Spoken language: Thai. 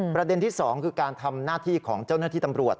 ประเด็นที่๒คือการทำหน้าที่ของเจ้าหน้าที่ตำรวจ